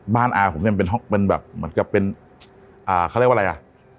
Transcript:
อาผมเนี่ยเป็นห้องเป็นแบบเหมือนกับเป็นเขาเรียกว่าอะไรอ่ะ